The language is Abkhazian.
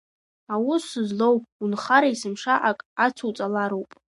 Аус злоу, унхара есымша ак ацуҵалароуп.